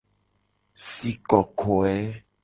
Si kokoe.